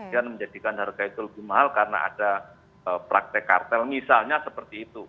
yang menjadikan harga itu lebih mahal karena ada praktek kartel misalnya seperti itu